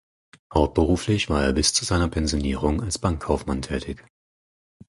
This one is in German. Hauptberuflich war er bis zu seiner Pensionierung als Bankkaufmann tätig.